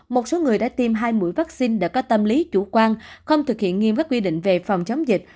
một số người đã tiêm hai mũi vaccine đã có tâm lý chủ quan không thực hiện nghiêm các quy định về phòng chống dịch